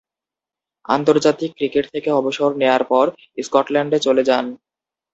আন্তর্জাতিক ক্রিকেট থেকে অবসর নেয়ার পর স্কটল্যান্ডে চলে যান।